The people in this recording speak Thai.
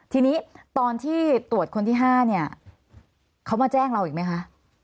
ทีนี้ตอนที่ตรวจคนที่๕เนี่ยเขามาแจ้งเราอีกไหมคะ